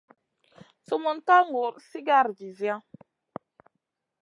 Sumun ka ŋur sigara visia.